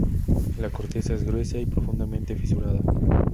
La corteza es gruesa y profundamente fisurada.